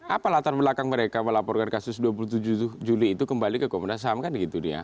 apa latar belakang mereka melaporkan kasus dua puluh tujuh juli itu kembali ke komnas ham kan gitu dia